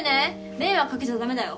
迷惑掛けちゃ駄目だよ。